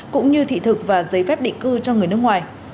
cũng như thị thực và giấy phép định cư cho người nước ngoài